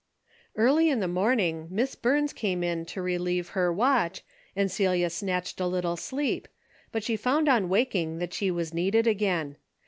Early in the morning Miss Burns came in to relieve her watch, and Celia snatched a little sleep, but she found on awaking that she was needed again.